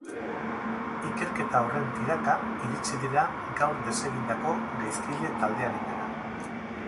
Ikerketa horren tiraka iritsi dira gaur desegindako gaizkile-taldearengana.